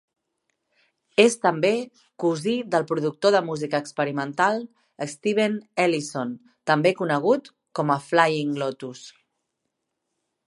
És també cosí del productor de música experimental Steven Ellison, també conegut com a Flying Lotus.